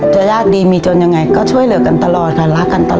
จะยากดีมีจนยังไงก็ช่วยเหลือกันตลอดค่ะ